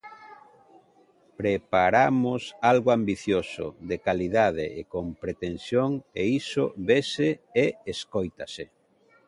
Preparamos algo ambicioso, de calidade e con pretensión e iso vese e escóitase.